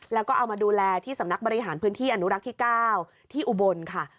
แล้วก็เอามาดูแลที่สำนักบริหารพื้นที่อนุรักษ์ที่๙ที่อุบลค่ะ